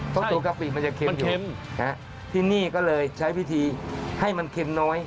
เพราะตัวกะปิมันจะเค็มอยู่ที่นี่ก็เลยใช้วิธีให้มันเค็มน้อย